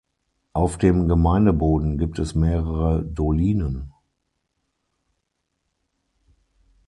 Auf dem Gemeindeboden gibt es mehrere Dolinen.